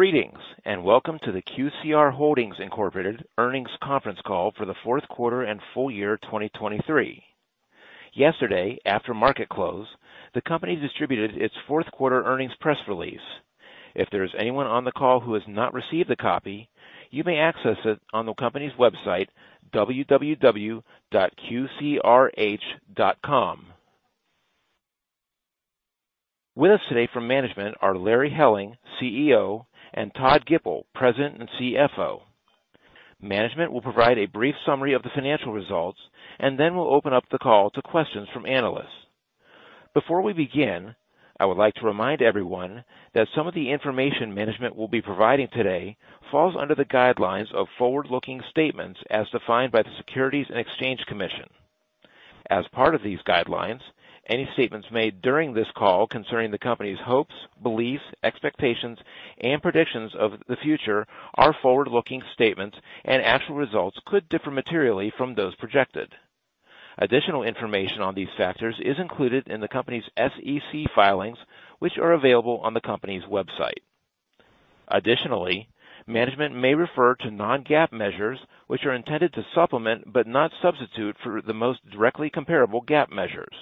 Greetings, and welcome to the QCR Holdings Incorporated Earnings Conference Call for the fourth quarter and full year 2023. Yesterday, after market close, the company distributed its fourth quarter earnings press release. If there is anyone on the call who has not received a copy, you may access it on the company's website, www.qcrh.com. With us today from management are Larry Helling, CEO, and Todd Gipple, President and CFO. Management will provide a brief summary of the financial results and then we'll open up the call to questions from analysts. Before we begin, I would like to remind everyone that some of the information management will be providing today falls under the guidelines of forward-looking statements as defined by the Securities and Exchange Commission. As part of these guidelines, any statements made during this call concerning the company's hopes, beliefs, expectations, and predictions of the future are forward-looking statements, and actual results could differ materially from those projected. Additional information on these factors is included in the company's SEC filings, which are available on the company's website. Additionally, management may refer to non-GAAP measures, which are intended to supplement, but not substitute, for the most directly comparable GAAP measures.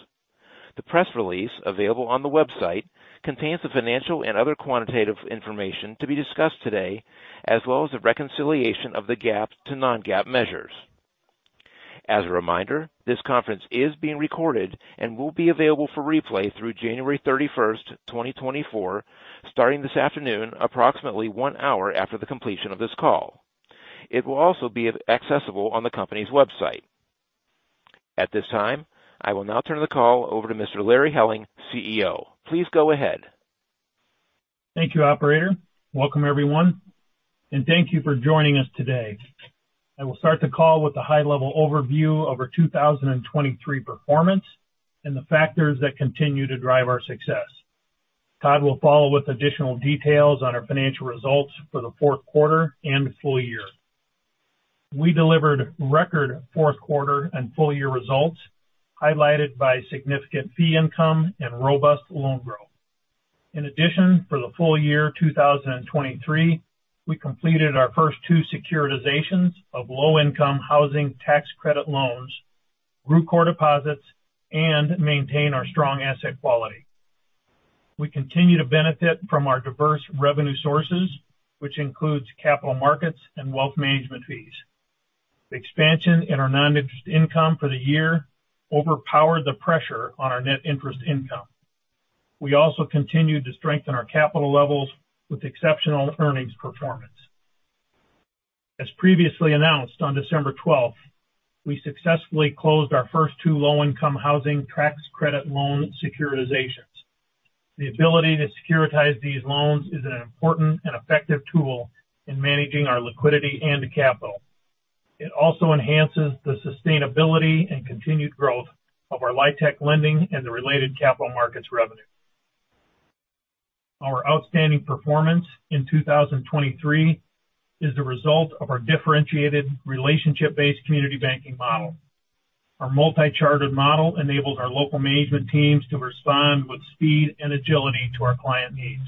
The press release available on the website contains the financial and other quantitative information to be discussed today, as well as a reconciliation of the GAAP to non-GAAP measures. As a reminder, this conference is being recorded and will be available for replay through January 31st, 2024, starting this afternoon, approximately one hour after the completion of this call. It will also be accessible on the company's website. At this time, I will now turn the call over to Mr. Larry Helling, CEO. Please go ahead. Thank you, operator. Welcome, everyone, and thank you for joining us today. I will start the call with a high-level overview of our 2023 performance and the factors that continue to drive our success. Todd will follow with additional details on our financial results for the fourth quarter and full year. We delivered record fourth quarter and full year results, highlighted by significant fee income and robust loan growth. In addition, for the full year 2023, we completed our first two securitizations of low-income housing tax credit loans, grew core deposits, and maintained our strong asset quality. We continue to benefit from our diverse revenue sources, which includes capital markets and wealth management fees. The expansion in our non-interest income for the year overpowered the pressure on our net interest income. We also continued to strengthen our capital levels with exceptional earnings performance. As previously announced on December 12th, we successfully closed our first two low-income housing tax credit loan securitizations. The ability to securitize these loans is an important and effective tool in managing our liquidity and capital. It also enhances the sustainability and continued growth of our LIHTC lending and the related capital markets revenue. Our outstanding performance in 2023 is the result of our differentiated relationship-based community banking model. Our multi-chartered model enables our local management teams to respond with speed and agility to our client needs.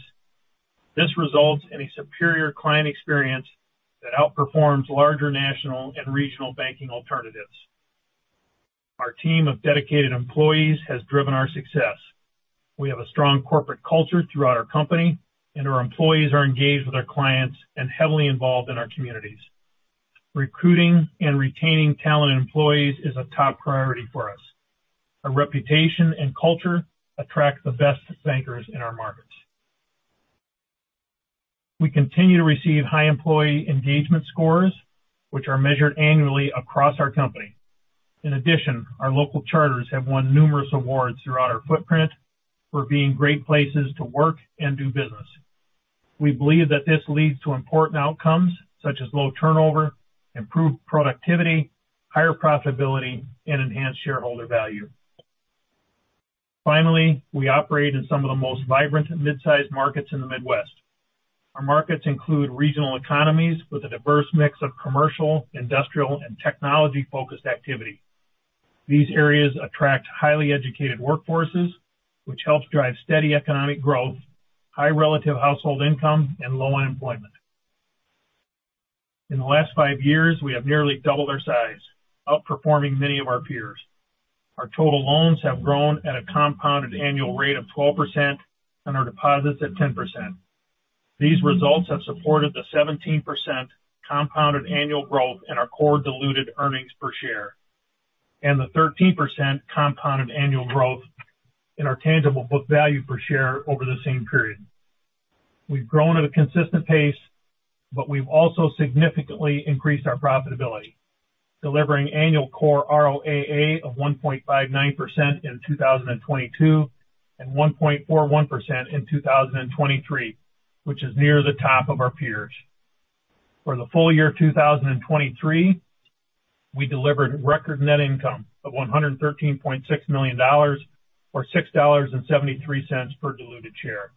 This results in a superior client experience that outperforms larger national and regional banking alternatives. Our team of dedicated employees has driven our success. We have a strong corporate culture throughout our company, and our employees are engaged with our clients and heavily involved in our communities. Recruiting and retaining talented employees is a top priority for us. Our reputation and culture attract the best bankers in our markets. We continue to receive high employee engagement scores, which are measured annually across our company. In addition, our local charters have won numerous awards throughout our footprint for being great places to work and do business. We believe that this leads to important outcomes such as low turnover, improved productivity, higher profitability, and enhanced shareholder value. Finally, we operate in some of the most vibrant mid-sized markets in the Midwest. Our markets include regional economies with a diverse mix of commercial, industrial, and technology-focused activity. These areas attract highly educated workforces, which helps drive steady economic growth, high relative household income, and low unemployment. In the last five years, we have nearly doubled our size, outperforming many of our peers. Our total loans have grown at a compounded annual rate of 12% and our deposits at 10%. These results have supported the 17% compounded annual growth in our core diluted earnings per share and the 13% compounded annual growth in our tangible book value per share over the same period. We've grown at a consistent pace, but we've also significantly increased our profitability, delivering annual core ROAA of 1.59% in 2022, and 1.41% in 2023, which is near the top of our peers. For the full year 2023, we delivered record net income of $113.6 million or $6.73 per diluted share.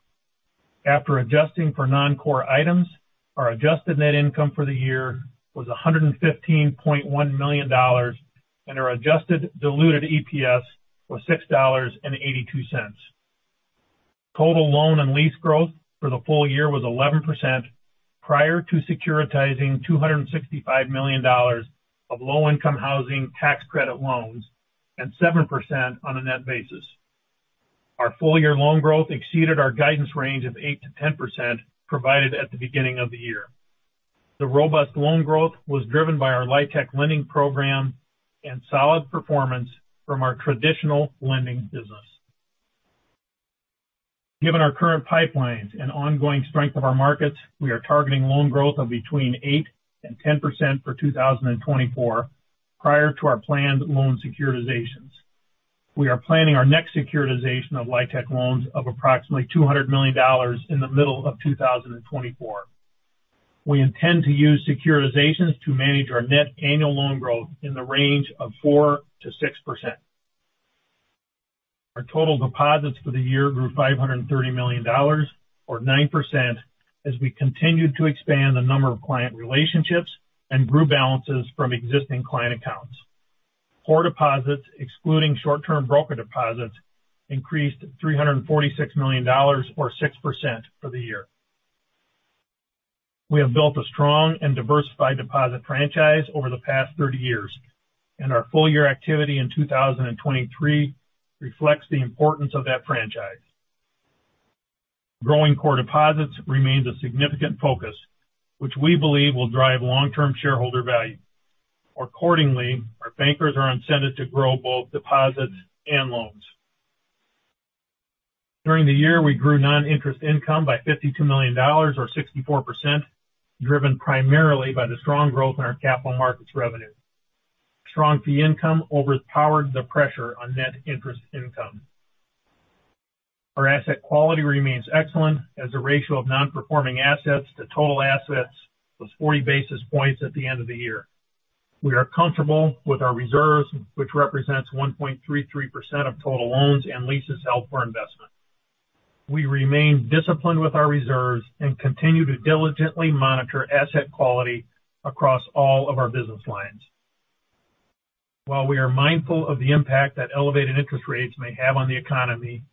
After adjusting for non-core items, our adjusted net income for the year was $115.1 million, and our adjusted diluted EPS was $6.82. Total loan and lease growth for the full year was 11% prior to securitizing $265 million of Low-Income Housing Tax Credit loans, and 7% on a net basis. Our full-year loan growth exceeded our guidance range of 8%-10% provided at the beginning of the year. The robust loan growth was driven by our LIHTC lending program and solid performance from our traditional lending business. Given our current pipelines and ongoing strength of our markets, we are targeting loan growth of between 8% and 10% for 2024, prior to our planned loan securitizations. We are planning our next securitization of LIHTC loans of approximately $200 million in the middle of 2024. We intend to use securitizations to manage our net annual loan growth in the range of 4%-6%. Our total deposits for the year grew $530 million, or 9%, as we continued to expand the number of client relationships and grew balances from existing client accounts. Core Deposits, excluding short-term broker deposits, increased $346 million, or 6% for the year. We have built a strong and diversified deposit franchise over the past 30 years, and our full-year activity in 2023 reflects the importance of that franchise. Growing Core Deposits remains a significant focus, which we believe will drive long-term shareholder value. Accordingly, our bankers are incented to grow both deposits and loans. During the year, we grew non-interest income by $52 million or 64%, driven primarily by the strong growth in our Capital Markets revenue. Strong fee income overpowered the pressure on net interest income. Our asset quality remains excellent, as the ratio of non-performing assets to total assets was 40 basis points at the end of the year. We are comfortable with our reserves, which represents 1.33% of total loans and leases held for investment. We remain disciplined with our reserves and continue to diligently monitor asset quality across all of our business lines. While we are mindful of the impact that elevated interest rates may have on the economy,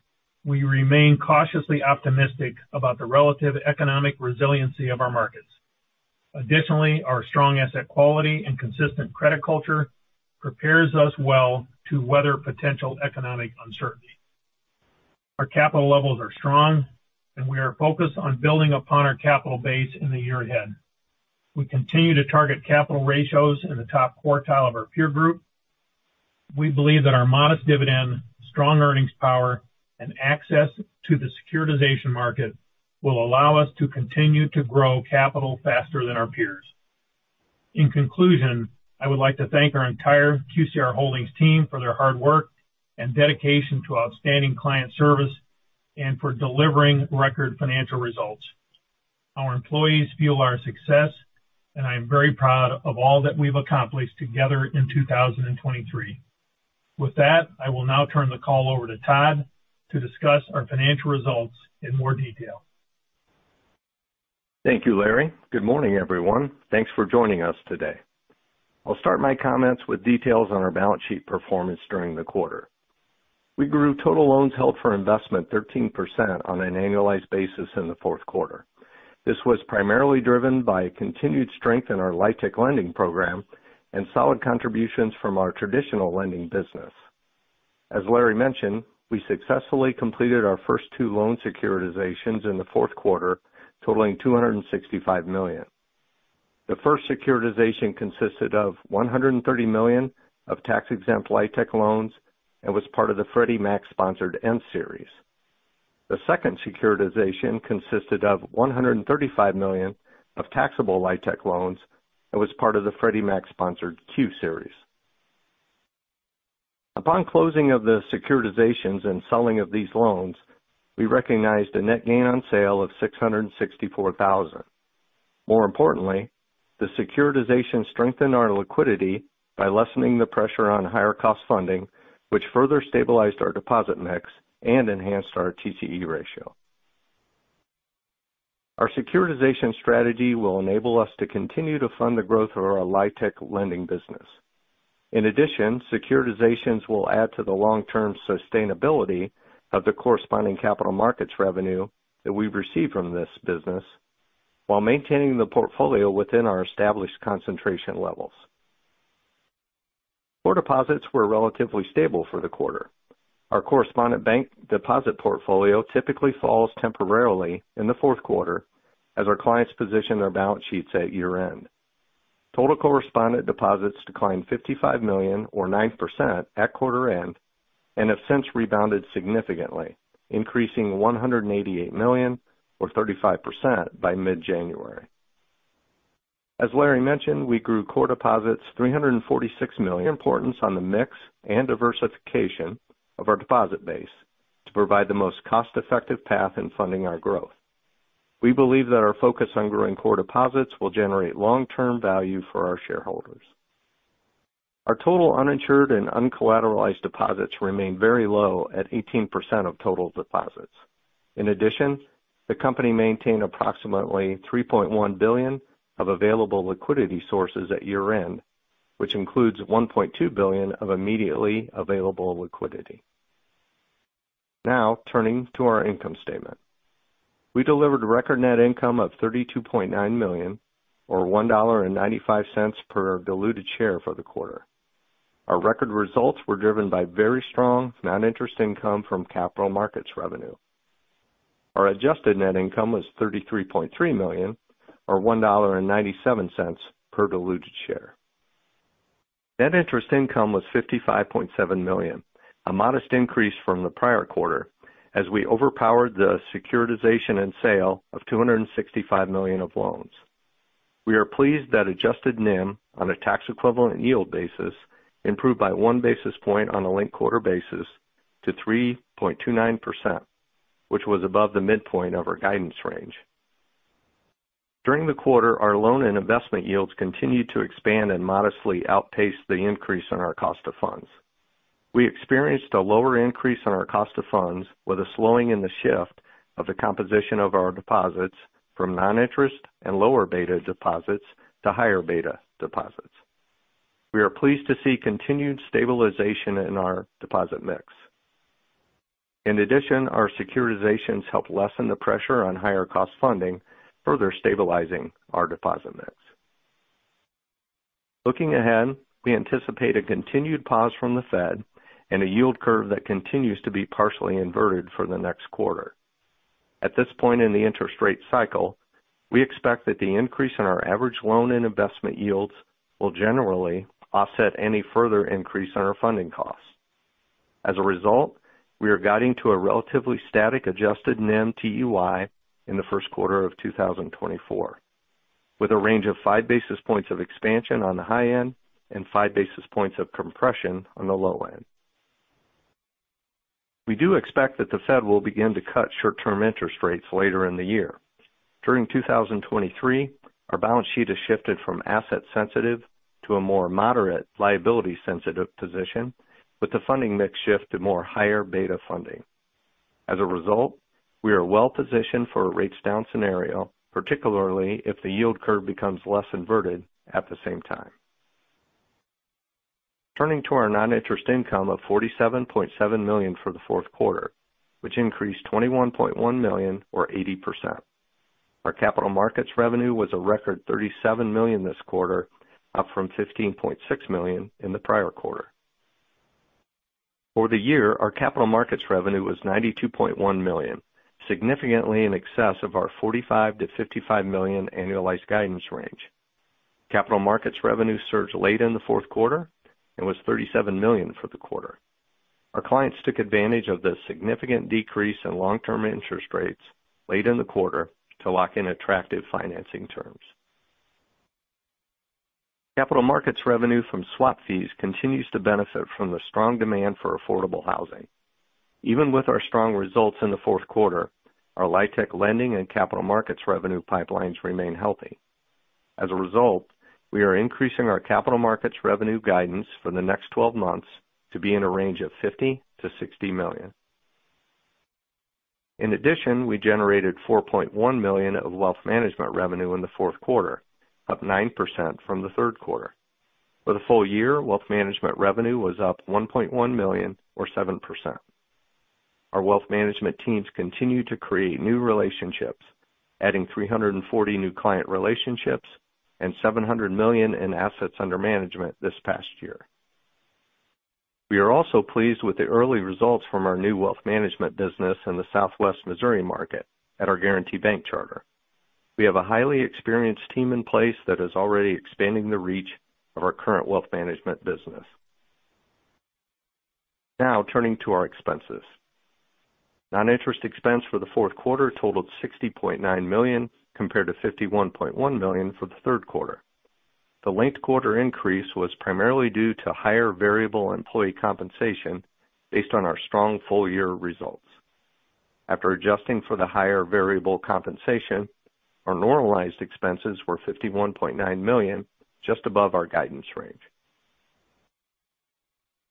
we remain cautiously optimistic about the relative economic resiliency of our markets. Additionally, our strong asset quality and consistent credit culture prepares us well to weather potential economic uncertainty. Our capital levels are strong, and we are focused on building upon our capital base in the year ahead. We continue to target capital ratios in the top quartile of our peer group. We believe that our modest dividend, strong earnings power, and access to the securitization market will allow us to continue to grow capital faster than our peers. In conclusion, I would like to thank our entire QCR Holdings team for their hard work and dedication to outstanding client service and for delivering record financial results. Our employees fuel our success, and I am very proud of all that we've accomplished together in 2023. With that, I will now turn the call over to Todd to discuss our financial results in more detail. Thank you, Larry. Good morning, everyone. Thanks for joining us today. I'll start my comments with details on our balance sheet performance during the quarter. We grew total loans held for investment 13% on an annualized basis in the fourth quarter. This was primarily driven by continued strength in our LIHTC lending program and solid contributions from our traditional lending business. As Larry mentioned, we successfully completed our first two loan securitizations in the fourth quarter, totaling $265 million. The first securitization consisted of $130 million of tax-exempt LIHTC loans and was part of the Freddie Mac-sponsored M Series. The second securitization consisted of $135 million of taxable LIHTC loans and was part of the Freddie Mac-sponsored Q Series. Upon closing of the securitizations and selling of these loans, we recognized a net gain on sale of $664,000. More importantly, the securitization strengthened our liquidity by lessening the pressure on higher cost funding, which further stabilized our deposit mix and enhanced our TCE ratio. Our securitization strategy will enable us to continue to fund the growth of our LIHTC lending business. In addition, securitizations will add to the long-term sustainability of the corresponding capital markets revenue that we've received from this business, while maintaining the portfolio within our established concentration levels. Core deposits were relatively stable for the quarter. Our correspondent bank deposit portfolio typically falls temporarily in the fourth quarter as our clients position their balance sheets at year-end. Total correspondent deposits declined $55 million, or 9%, at quarter end, and have since rebounded significantly, increasing $188 million, or 35%, by mid-January. As Larry mentioned, we grew Core Deposits $346 million, importance on the mix and diversification of our deposit base to provide the most cost-effective path in funding our growth. We believe that our focus on growing Core Deposits will generate long-term value for our shareholders. Our total uninsured and uncollateralized deposits remain very low at 18% of total deposits.... In addition, the company maintained approximately $3.1 billion of available liquidity sources at year-end, which includes $1.2 billion of immediately available liquidity. Now, turning to our income statement. We delivered a record net income of $32.9 million, or $1.95 per diluted share for the quarter. Our record results were driven by very strong non-interest income from capital markets revenue. Our adjusted net income was $33.3 million, or $1.97 per diluted share. Net interest income was $55.7 million, a modest increase from the prior quarter, as we overpowered the securitization and sale of $265 million of loans. We are pleased that adjusted NIM, on a tax equivalent yield basis, improved by one basis point on a linked-quarter basis to 3.29%, which was above the midpoint of our guidance range. During the quarter, our loan and investment yields continued to expand and modestly outpace the increase in our cost of funds. We experienced a lower increase in our cost of funds, with a slowing in the shift of the composition of our deposits from non-interest and lower beta deposits to higher beta deposits. We are pleased to see continued stabilization in our deposit mix. In addition, our securitizations helped lessen the pressure on higher cost funding, further stabilizing our deposit mix. Looking ahead, we anticipate a continued pause from the Fed and a yield curve that continues to be partially inverted for the next quarter. At this point in the interest rate cycle, we expect that the increase in our average loan and investment yields will generally offset any further increase in our funding costs. As a result, we are guiding to a relatively static adjusted NIM TEY in the first quarter of 2024, with a range of five basis points of expansion on the high end and five basis points of compression on the low end. We do expect that the Fed will begin to cut short-term interest rates later in the year. During 2023, our balance sheet has shifted from asset sensitive to a more moderate liability-sensitive position, with the funding mix shift to more higher beta funding. As a result, we are well positioned for a rates down scenario, particularly if the yield curve becomes less inverted at the same time. Turning to our non-interest income of $47.7 million for the fourth quarter, which increased $21.1 million, or 80%. Our capital markets revenue was a record $37 million this quarter, up from $15.6 million in the prior quarter. For the year, our capital markets revenue was $92.1 million, significantly in excess of our $45 million-$55 million annualized guidance range. Capital markets revenue surged late in the fourth quarter and was $37 million for the quarter. Our clients took advantage of the significant decrease in long-term interest rates late in the quarter to lock in attractive financing terms. Capital markets revenue from swap fees continues to benefit from the strong demand for affordable housing. Even with our strong results in the fourth quarter, our LIHTC lending and capital markets revenue pipelines remain healthy. As a result, we are increasing our capital markets revenue guidance for the next twelve months to be in a range of $50 million-$60 million. In addition, we generated $4.1 million of wealth management revenue in the fourth quarter, up 9% from the third quarter. For the full year, wealth management revenue was up $1.1 million, or 7%. Our wealth management teams continued to create new relationships, adding 340 new client relationships and $700 million in assets under management this past year. We are also pleased with the early results from our new wealth management business in the Southwest Missouri market at our Guaranty Bank charter. We have a highly experienced team in place that is already expanding the reach of our current wealth management business. Now, turning to our expenses. Non-interest expense for the fourth quarter totaled $60.9 million, compared to $51.1 million for the third quarter. The linked quarter increase was primarily due to higher variable employee compensation based on our strong full-year results. After adjusting for the higher variable compensation, our normalized expenses were $51.9 million, just above our guidance range.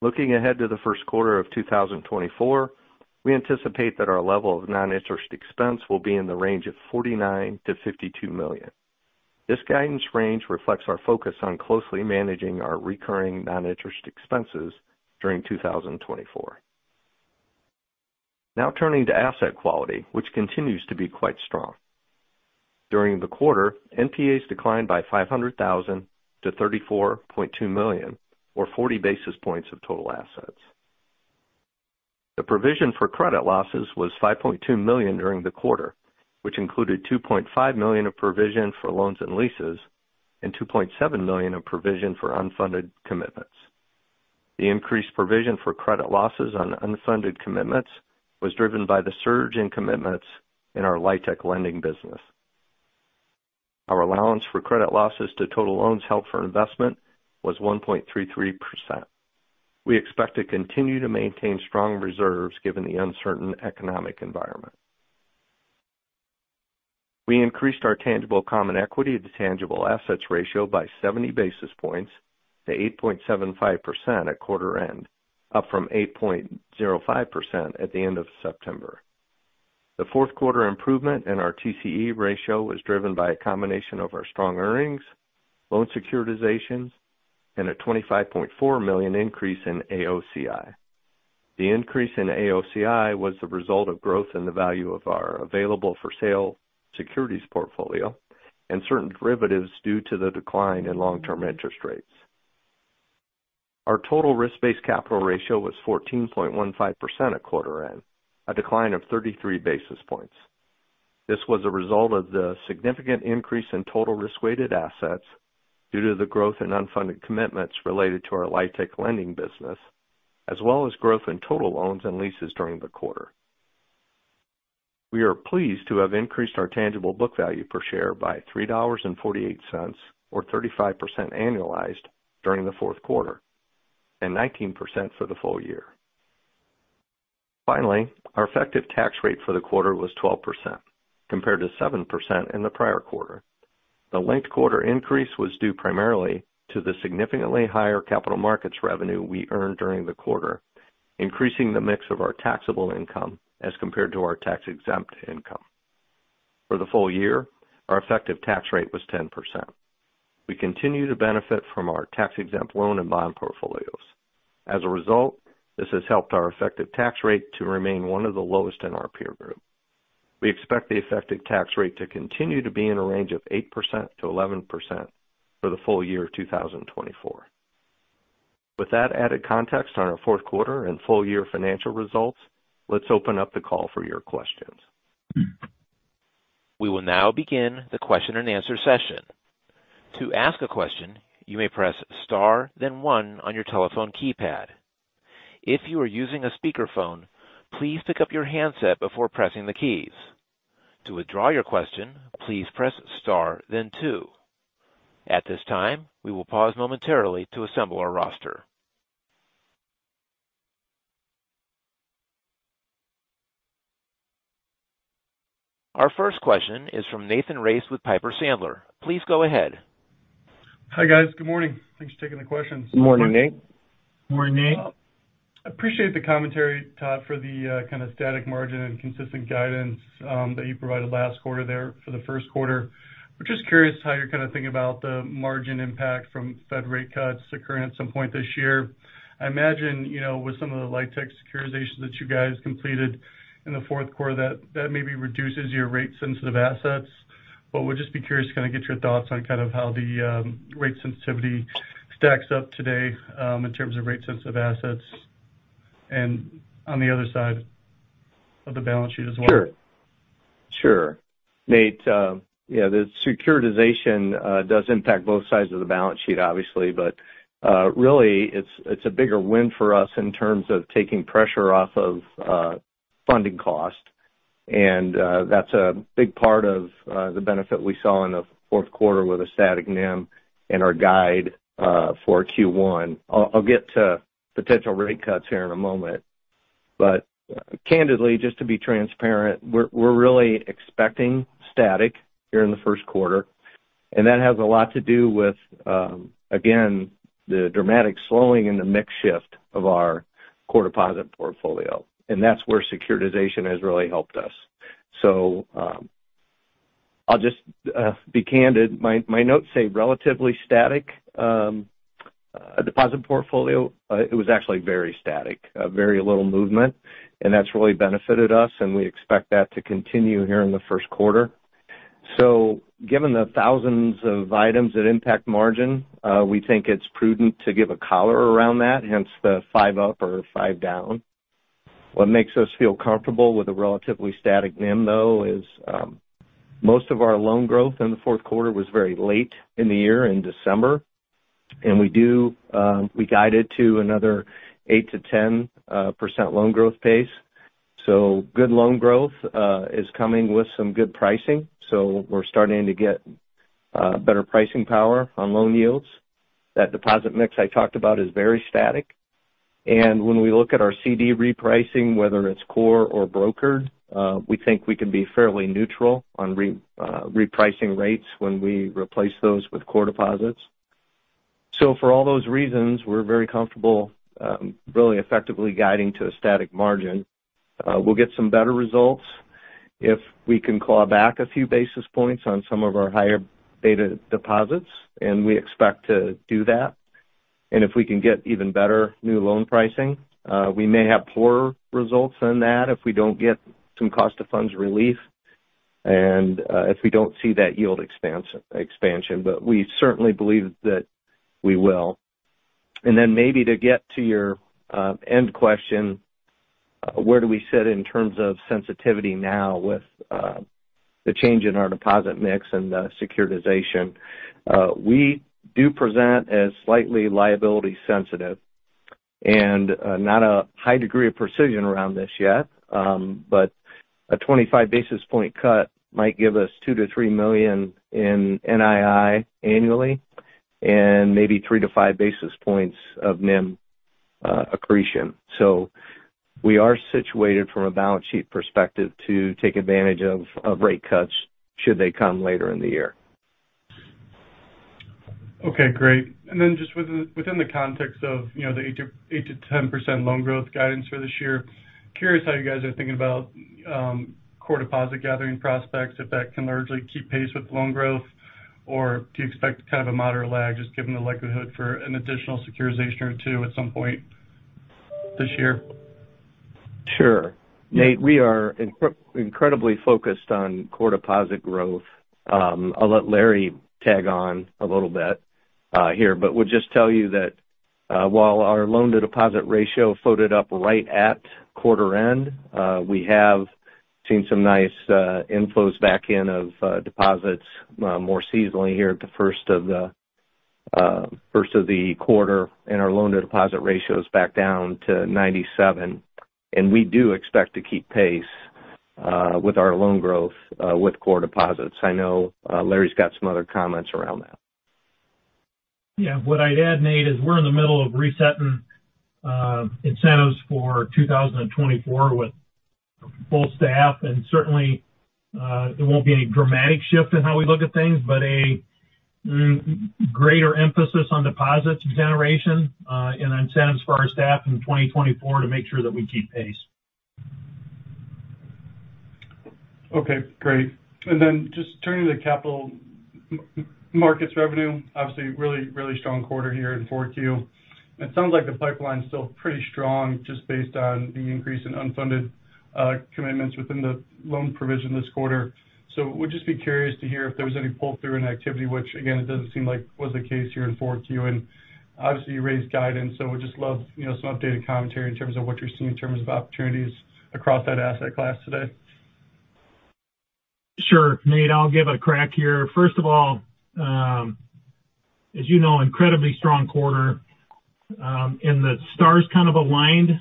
Looking ahead to the first quarter of 2024, we anticipate that our level of non-interest expense will be in the range of $49 million-$52 million. This guidance range reflects our focus on closely managing our recurring non-interest expenses during 2024. Now turning to asset quality, which continues to be quite strong. During the quarter, NPAs declined by $500,000-$34.2 million, or 40 basis points of total assets. The provision for credit losses was $5.2 million during the quarter, which included $2.5 million of provision for loans and leases and $2.7 million of provision for unfunded commitments. The increased provision for credit losses on unfunded commitments was driven by the surge in commitments in our LIHTC lending business. Our allowance for credit losses to total loans held for investment was 1.33%. We expect to continue to maintain strong reserves, given the uncertain economic environment. We increased our tangible common equity to tangible assets ratio by 70 basis points to 8.75% at quarter end, up from 8.05% at the end of September. The fourth quarter improvement in our TCE ratio was driven by a combination of our strong earnings, loan securitizations, and a $25.4 million increase in AOCI. The increase in AOCI was the result of growth in the value of our available for sale securities portfolio and certain derivatives due to the decline in long-term interest rates. Our total risk-based capital ratio was 14.15% at quarter end, a decline of 33 basis points. This was a result of the significant increase in total risk-weighted assets due to the growth in unfunded commitments related to our LIHTC lending business, as well as growth in total loans and leases during the quarter. We are pleased to have increased our tangible book value per share by $3.48, or 35% annualized during the fourth quarter and 19% for the full year. Finally, our effective tax rate for the quarter was 12%, compared to 7% in the prior quarter. The linked quarter increase was due primarily to the significantly higher capital markets revenue we earned during the quarter, increasing the mix of our taxable income as compared to our tax-exempt income. For the full year, our effective tax rate was 10%. We continue to benefit from our tax-exempt loan and bond portfolios. As a result, this has helped our effective tax rate to remain one of the lowest in our peer group. We expect the effective tax rate to continue to be in a range of 8%-11% for the full year of 2024. With that added context on our fourth quarter and full year financial results, let's open up the call for your questions. We will now begin the question and answer session. To ask a question, you may press star, then one on your telephone keypad. If you are using a speakerphone, please pick up your handset before pressing the keys. To withdraw your question, please press star then two. At this time, we will pause momentarily to assemble our roster. Our first question is from Nathan Race with Piper Sandler. Please go ahead. Hi, guys. Good morning. Thanks for taking the questions. Good morning, Nate. Good morning, Nate. I appreciate the commentary, Todd, for the kind of static margin and consistent guidance that you provided last quarter there for the first quarter. I'm just curious how you're kind of thinking about the margin impact from Fed rate cuts occurring at some point this year. I imagine, you know, with some of the LIHTC securitization that you guys completed in the fourth quarter, that that maybe reduces your rate sensitive assets. But would just be curious to kind of get your thoughts on kind of how the rate sensitivity stacks up today in terms of rate sensitive assets and on the other side of the balance sheet as well? Sure, Nate, yeah, the securitization does impact both sides of the balance sheet, obviously, but really, it's a bigger win for us in terms of taking pressure off of funding costs. That's a big part of the benefit we saw in the fourth quarter with a static NIM and our guide for Q1. I'll get to potential rate cuts here in a moment. Candidly, just to be transparent, we're really expecting static here in the first quarter, and that has a lot to do with again, the dramatic slowing and the mix shift of our core deposit portfolio, and that's where securitization has really helped us. I'll just be candid. My notes say relatively static deposit portfolio. It was actually very static, very little movement, and that's really benefited us, and we expect that to continue here in the first quarter. So given the thousands of items that impact margin, we think it's prudent to give a collar around that, hence the five up or five down. What makes us feel comfortable with a relatively static NIM, though, is, most of our loan growth in the fourth quarter was very late in the year, in December, and we do, we guided to another 8%-10% loan growth pace. So good loan growth is coming with some good pricing. So we're starting to get better pricing power on loan yields. That deposit mix I talked about is very static. When we look at our CD repricing, whether it's core or brokered, we think we can be fairly neutral on repricing rates when we replace those with core deposits. So for all those reasons, we're very comfortable, really effectively guiding to a static margin. We'll get some better results if we can claw back a few basis points on some of our higher beta deposits, and we expect to do that. And if we can get even better new loan pricing, we may have poorer results than that if we don't get some cost of funds relief and if we don't see that yield expansion, but we certainly believe that we will. And then maybe to get to your end question, where do we sit in terms of sensitivity now with the change in our deposit mix and the securitization? We do present as slightly liability sensitive and not a high degree of precision around this yet, but a 25 basis point cut might give us $2 million-$3 million in NII annually, and maybe three to five basis points of NIM accretion. So we are situated from a balance sheet perspective to take advantage of, of rate cuts should they come later in the year. Okay, great. Then just within the context of, you know, the 8%-10% loan growth guidance for this year, curious how you guys are thinking about core deposit gathering prospects, if that can largely keep pace with loan growth, or do you expect kind of a moderate lag, just given the likelihood for an additional securitization or two at some point this year? Sure. Nate, we are incredibly focused on core deposit growth. I'll let Larry tag on a little bit here, but would just tell you that while our loan-to-deposit ratio floated up right at quarter end, we have seen some nice inflows back in of deposits more seasonally here at the first of the first of the quarter, and our loan-to-deposit ratio is back down to 97. We do expect to keep pace with our loan growth with core deposits. I know Larry's got some other comments around that. Yeah. What I'd add, Nate, is we're in the middle of resetting incentives for 2024 with full staff. And certainly, there won't be any dramatic shift in how we look at things, but a greater emphasis on deposit generation, and incentives for our staff in 2024 to make sure that we keep pace. Okay, great. And then just turning to capital markets revenue, obviously, really, really strong quarter here in 4Q. It sounds like the pipeline's still pretty strong, just based on the increase in unfunded commitments within the loan provision this quarter. So would just be curious to hear if there was any pull-through in activity, which again, it doesn't seem like was the case here in 4Q. And obviously, you raised guidance, so would just love, you know, some updated commentary in terms of what you're seeing in terms of opportunities across that asset class today. Sure, Nate, I'll give it a crack here. First of all, as you know, incredibly strong quarter, and the stars kind of aligned.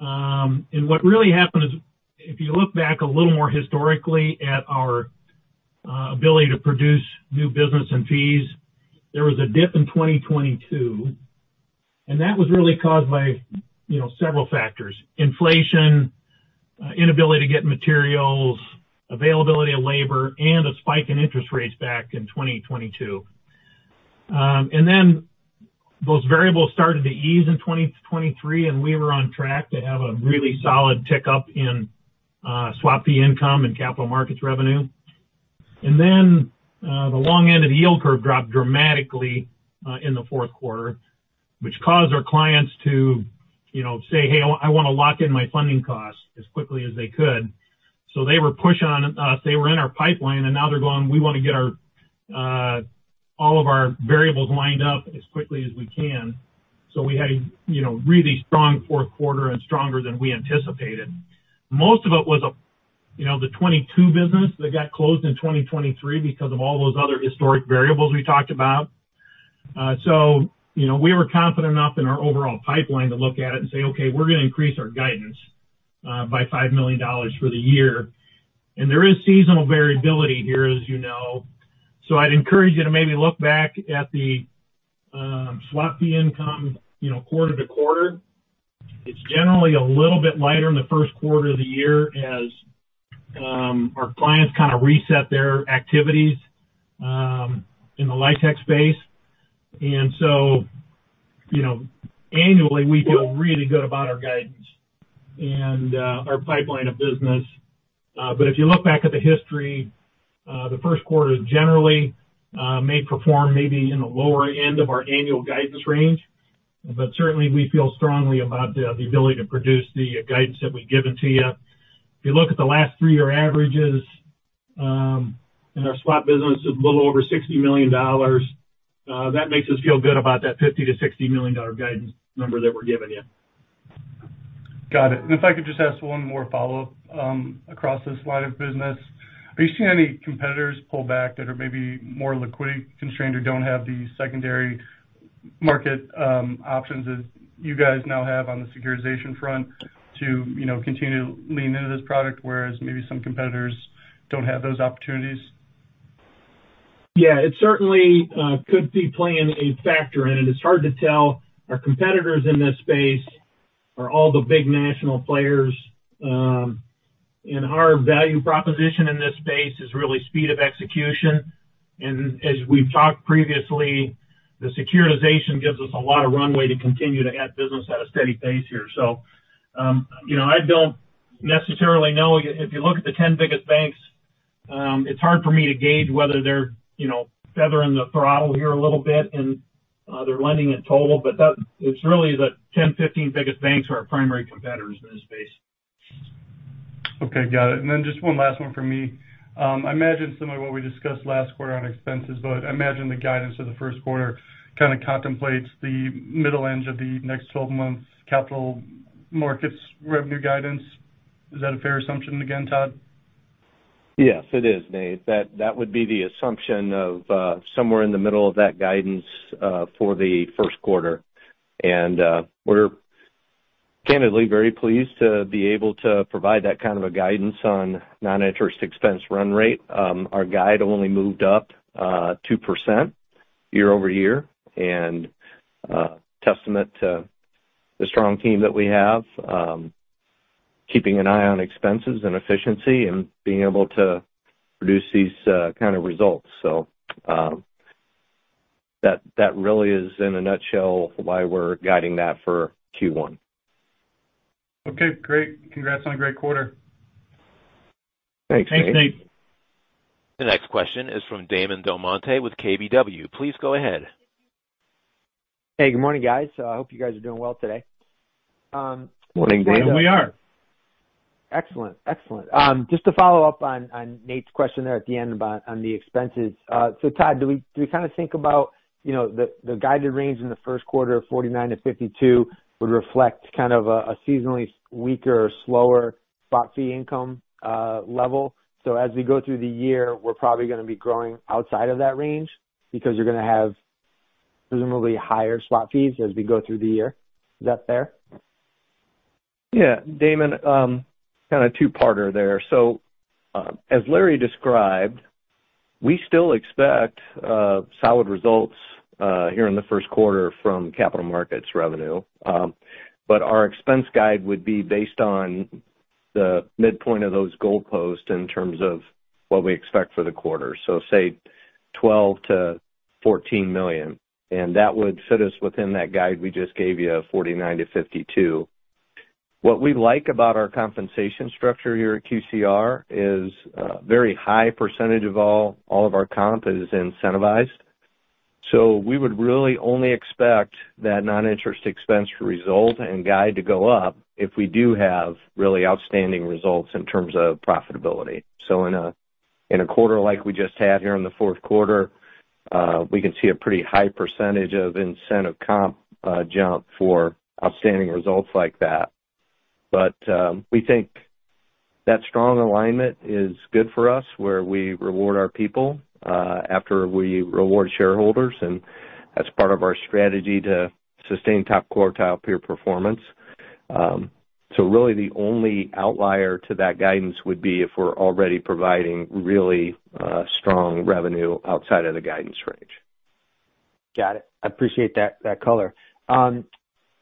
And what really happened is, if you look back a little more historically at our ability to produce new business and fees, there was a dip in 2022, and that was really caused by, you know, several factors: inflation, inability to get materials, availability of labor, and a spike in interest rates back in 2022. And then those variables started to ease in 2023, and we were on track to have a really solid tick-up in swap fee income and capital markets revenue. And then, the long end of the yield curve dropped dramatically, in the fourth quarter, which caused our clients to, you know, say, "Hey, I, I wanna lock in my funding costs as quickly as they could." So they were push on, They were in our pipeline, and now they're going, "We wanna get our, all of our variables lined up as quickly as we can." So we had a, you know, really strong fourth quarter and stronger than we anticipated. Most of it was, you know, the 2022 business that got closed in 2023 because of all those other historic variables we talked about. So, you know, we were confident enough in our overall pipeline to look at it and say, "Okay, we're gonna increase our guidance by $5 million for the year." And there is seasonal variability here, as you know, so I'd encourage you to maybe look back at the swap fee income, you know, quarter to quarter. It's generally a little bit lighter in the first quarter of the year as our clients kind of reset their activities in the LIHTC space. And so, you know, annually, we feel really good about our guidance and our pipeline of business. But if you look back at the history, the first quarter generally may perform maybe in the lower end of our annual guidance range. But certainly, we feel strongly about the ability to produce the guidance that we've given to you. If you look at the last three-year averages, in our swap business, it's a little over $60 million. That makes us feel good about that $50million-$60 million guidance number that we're giving you. Got it. If I could just ask one more follow-up, across this line of business. Are you seeing any competitors pull back that are maybe more liquidity-constrained or don't have the secondary market, options that you guys now have on the securitization front to, you know, continue to lean into this product, whereas maybe some competitors don't have those opportunities? Yeah. It certainly could be playing a factor in it. It's hard to tell. Our competitors in this space are all the big national players. And our value proposition in this space is really speed of execution, and as we've talked previously, the securitization gives us a lot of runway to continue to add business at a steady pace here. So, you know, I don't necessarily know. If you look at the 10 biggest banks, it's hard for me to gauge whether they're, you know, feathering the throttle here a little bit in, their lending in total, but that, it's really the 10, 15 biggest banks who are our primary competitors in this space. Okay, got it. And then just one last one from me. I imagine similar to what we discussed last quarter on expenses, but I imagine the guidance of the first quarter kind of contemplates the middle end of the next twelve months capital markets revenue guidance. Is that a fair assumption again, Todd? Yes, it is, Nate. That would be the assumption of somewhere in the middle of that guidance for the first quarter. And we're candidly very pleased to be able to provide that kind of a guidance on non-interest expense run rate. Our guide only moved up 2% year-over-year, and a testament to the strong team that we have keeping an eye on expenses and efficiency and being able to produce these kind of results. So that really is, in a nutshell, why we're guiding that for Q1. Okay, great. Congrats on a great quarter. Thanks, Nate. Thanks, Nate. The next question is from Damon Delmonte with KBW. Please go ahead. Hey, good morning, guys. So I hope you guys are doing well today. Morning, Damon. We are. Excellent. Excellent. Just to follow up on Nate's question there at the end about the expenses. So Todd, do we kind of think about, you know, the guided range in the first quarter of $49-$52 would reflect kind of a seasonally weaker or slower swap fee income level? So as we go through the year, we're probably gonna be growing outside of that range because you're gonna have presumably higher swap fees as we go through the year. Is that fair? Yeah, Damon, kind of a two-parter there. So, as Larry described, we still expect solid results here in the first quarter from capital markets revenue. But our expense guide would be based on the midpoint of those goalposts in terms of what we expect for the quarter, so say $12 million-$14 million, and that would fit us within that guide we just gave you of $49 million-$52 million. What we like about our compensation structure here at QCR is a very high percentage of all, all of our comp is incentivized. So we would really only expect that non-interest expense to result and guide to go up if we do have really outstanding results in terms of profitability. So in a quarter like we just had here in the fourth quarter, we can see a pretty high percentage of incentive comp jump for outstanding results like that. But we think that strong alignment is good for us, where we reward our people after we reward shareholders, and that's part of our strategy to sustain top quartile peer performance. So really, the only outlier to that guidance would be if we're already providing really strong revenue outside of the guidance range. Got it. I appreciate that color.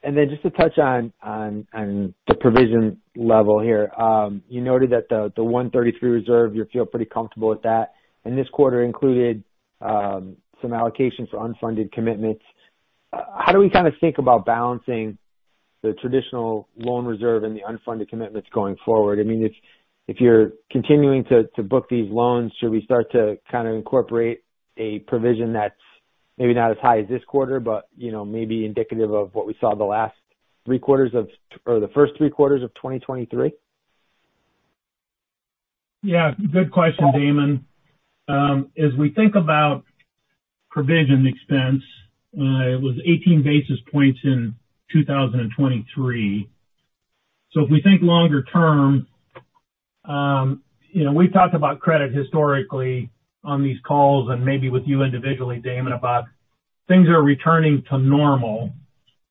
And then just to touch on the provision level here. You noted that the 133 reserve, you feel pretty comfortable with that, and this quarter included some allocations for unfunded commitments. How do we kind of think about balancing the traditional loan reserve and the unfunded commitments going forward? I mean, if you're continuing to book these loans, should we start to kind of incorporate a provision that's maybe not as high as this quarter, but you know, maybe indicative of what we saw the last three quarters of or the first three quarters of 2023? Yeah, good question, Damon. As we think about provision expense, it was 18 basis points in 2023. So if we think longer term, you know, we've talked about credit historically on these calls and maybe with you individually, Damon, about things are returning to normal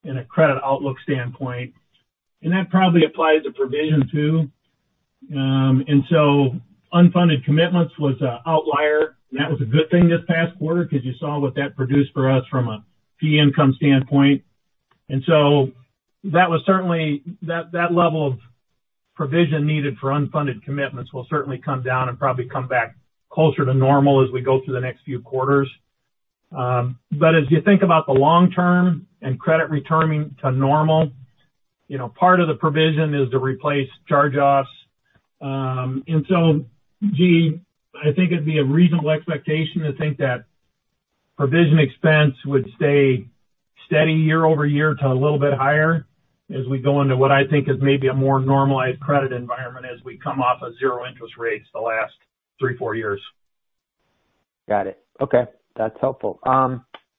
in a credit outlook standpoint, and that probably applies to provision, too. And so unfunded commitments was a outlier, and that was a good thing this past quarter, because you saw what that produced for us from a fee income standpoint. And so that level of provision needed for unfunded commitments will certainly come down and probably come back closer to normal as we go through the next few quarters. But as you think about the long term and credit returning to normal, you know, part of the provision is to replace charge-offs. And so, gee, I think it'd be a reasonable expectation to think that provision expense would stay steady year-over-year to a little bit higher as we go into what I think is maybe a more normalized credit environment as we come off of zero interest rates the last three, four years. Got it. Okay. That's helpful.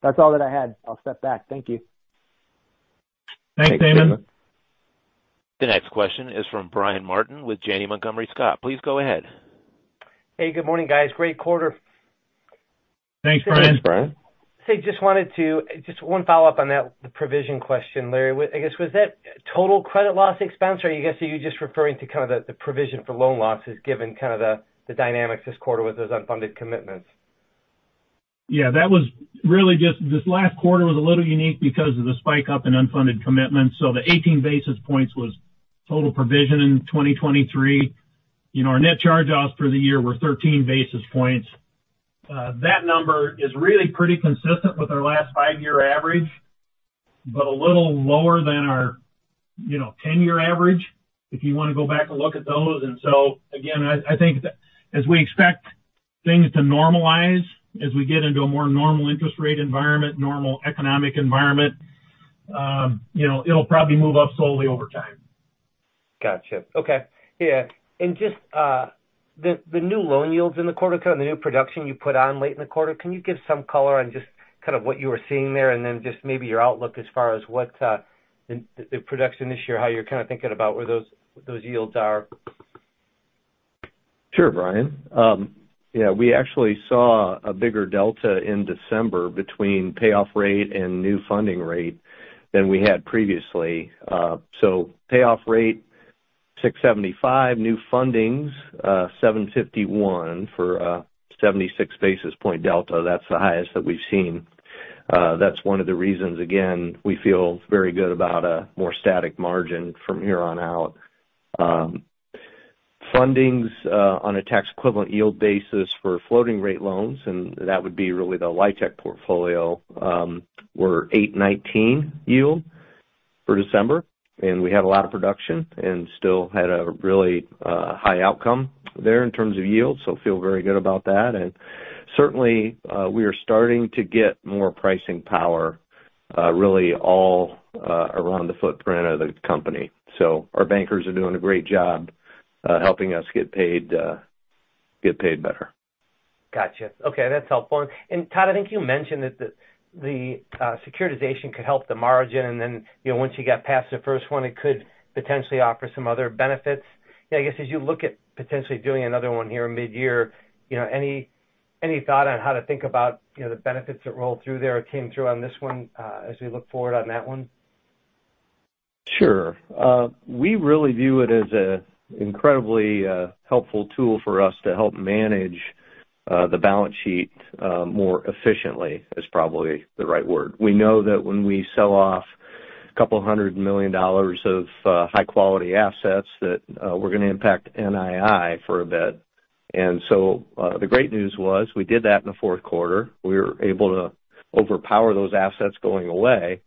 That's all that I had. I'll step back. Thank you. Thanks, Damon. The next question is from Brian Martin with Janney Montgomery Scott. Please go ahead. Hey, good morning, guys. Great quarter. Thanks, Brian. Thanks, Brian. Hey, just one follow-up on that, the provision question, Larry. I guess, was that total credit loss expense, or I guess, are you just referring to kind of the provision for loan losses, given kind of the dynamics this quarter with those unfunded commitments? Yeah, that was really just, this last quarter was a little unique because of the spike up in unfunded commitments. So the 18 basis points was total provision in 2023. You know, our net charge-offs for the year were 13 basis points. That number is really pretty consistent with our last five-year average, but a little lower than our, you know, 10-year average, if you want to go back and look at those. And so, again, I, I think as we expect things to normalize, as we get into a more normal interest rate environment, normal economic environment, you know, it'll probably move up slowly over time. Gotcha. Okay. Yeah, and just the new loan yields in the quarter, kind of the new production you put on late in the quarter, can you give some color on just kind of what you were seeing there, and then just maybe your outlook as far as what the production this year, how you're kind of thinking about where those yields are?... Sure, Brian. Yeah, we actually saw a bigger delta in December between payoff rate and new funding rate than we had previously. So payoff rate, 675, new fundings, 751 for a 76 basis point delta. That's the highest that we've seen. That's one of the reasons, again, we feel very good about a more static margin from here on out. Fundings on a tax equivalent yield basis for floating rate loans, and that would be really the LIHTC portfolio, were 819 yield for December, and we had a lot of production and still had a really high outcome there in terms of yield. So feel very good about that. And certainly, we are starting to get more pricing power, really all around the footprint of the company. Our bankers are doing a great job, helping us get paid better. Gotcha. Okay, that's helpful. And Todd, I think you mentioned that the securitization could help the margin, and then, you know, once you got past the first one, it could potentially offer some other benefits. Yeah, I guess, as you look at potentially doing another one here mid-year, you know, any thought on how to think about the benefits that rolled through there or came through on this one, as we look forward on that one? Sure. We really view it as an incredibly helpful tool for us to help manage the balance sheet more efficiently, is probably the right word. We know that when we sell off $200 million of high quality assets, that we're gonna impact NII for a bit. And so, the great news was, we did that in the fourth quarter. We were able to overpower those assets going away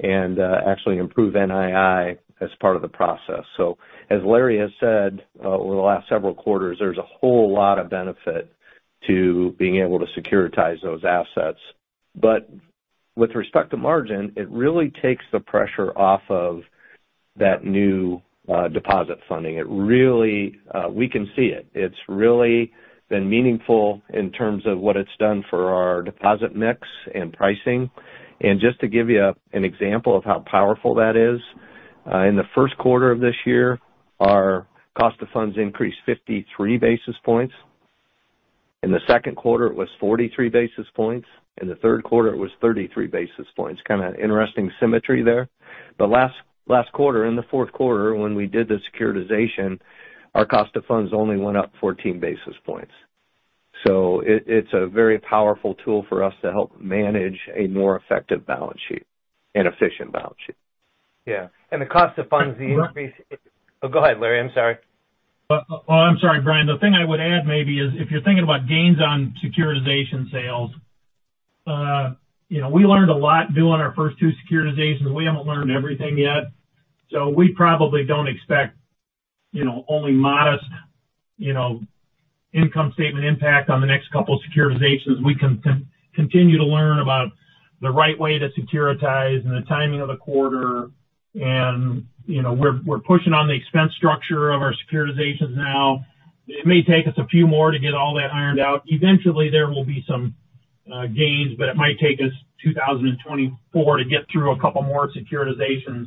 and actually improve NII as part of the process. So as Larry has said, over the last several quarters, there's a whole lot of benefit to being able to securitize those assets. But with respect to margin, it really takes the pressure off of that new deposit funding. It really, we can see it. It's really been meaningful in terms of what it's done for our deposit mix and pricing. And just to give you an example of how powerful that is, in the first quarter of this year, our cost of funds increased 53 basis points. In the second quarter, it was 43 basis points. In the third quarter, it was 33 basis points. Kind of interesting symmetry there. But last quarter, in the fourth quarter, when we did the securitization, our cost of funds only went up 14 basis points. So it's a very powerful tool for us to help manage a more effective balance sheet, an efficient balance sheet. Yeah, and the cost of funds, the increase- Well- Oh, go ahead, Larry. I'm sorry. Well, I'm sorry, Brian. The thing I would add maybe is, if you're thinking about gains on securitization sales, you know, we learned a lot doing our first two securitizations. We haven't learned everything yet. So we probably don't expect, you know, only modest, you know, income statement impact on the next couple of securitizations. We continue to learn about the right way to securitize and the timing of the quarter. And, you know, we're pushing on the expense structure of our securitizations now. It may take us a few more to get all that ironed out. Eventually, there will be some gains, but it might take us 2024 to get through a couple more securitizations